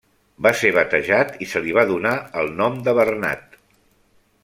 Va ser batejat i se li va donar el nom de Bernat.